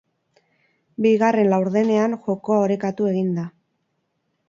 Bigarren laurdenean jokoa orekatu egin da.